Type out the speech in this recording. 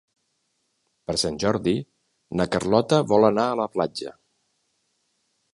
Per Sant Jordi na Carlota vol anar a la platja.